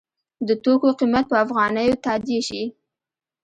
د توکو قیمت په افغانیو تادیه شي.